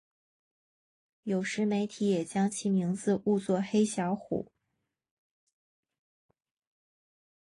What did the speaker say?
有时媒体也将其名字误作黑小虎。